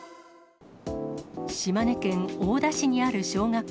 島根県大田市にある小学校。